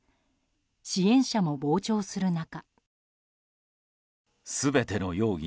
支援者も傍聴する中。